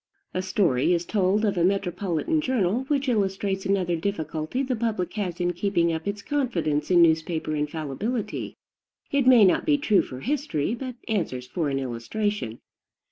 A story is told of a metropolitan journal, which illustrates another difficulty the public has in keeping up its confidence in newspaper infallibility. It may not be true for history, but answers for an illustration.